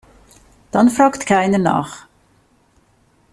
Dann fragt keiner nach.